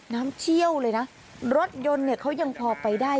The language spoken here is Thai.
เชี่ยวเลยนะรถยนต์เนี่ยเขายังพอไปได้